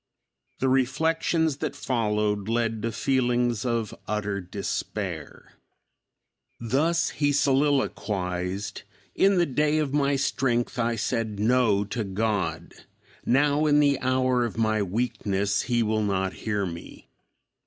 The reflections that followed led to feelings of utter despair. Thus he soliloquized, "In the day of my strength I said 'No' to God; now, in the hour of my weakness, he will not hear me.